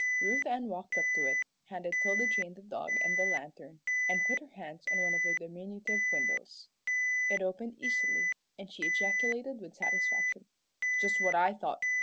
Ruth Ann walked up to it, handed 'Tilda Jane the dog and the lantern, and put her hands on one of the diminutive windows. It opened easily, and she ejaculated with satisfaction, "Just what I thought.